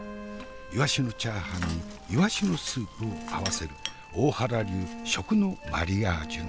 いわしのチャーハンにいわしのスープを合わせる大原流の食のマリアージュなり。